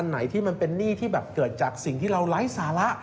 ไหนที่มันเป็นหนี้ที่แบบเกิดจากสิ่งที่เราไร้สาระ